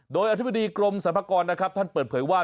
โดยอธิบดีกรมสรรพากรนะครับท่านเปิดเผยว่า